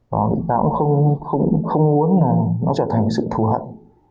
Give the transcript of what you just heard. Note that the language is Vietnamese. và cũng không muốn nó trở thành sự thù hận